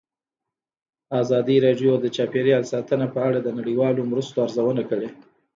ازادي راډیو د چاپیریال ساتنه په اړه د نړیوالو مرستو ارزونه کړې.